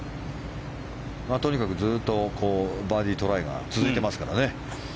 とにかくずっとバーディートライが続いてますからね。